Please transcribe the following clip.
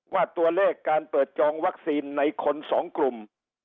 ว่าตัวเลขการเปิดจองวัคซีนในคนสองกลุ่ม